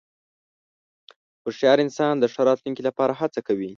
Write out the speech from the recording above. هوښیار انسان د ښه راتلونکې لپاره هڅه کوي.